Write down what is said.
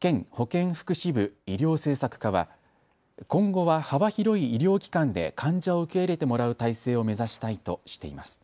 県保健福祉部医療政策課は今後は幅広い医療機関で患者を受け入れてもらう体制を目指したいとしています。